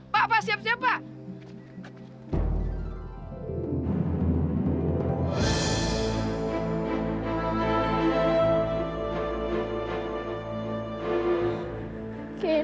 pak siap siap pak